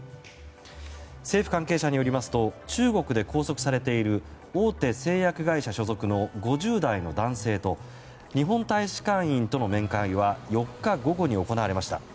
政府関係者によりますと中国で拘束されている大手製薬会社所属の５０代の男性と日本大使館員との面会は４日午後に行われました。